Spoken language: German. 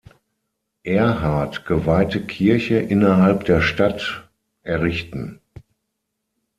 Erhard geweihte Kirche innerhalb der Stadt errichten.